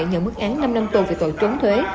nhận mức án năm năm tù về tội trốn thuế